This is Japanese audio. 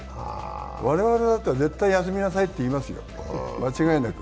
我々だったら絶対休みなさいって言いますよ、間違いなく。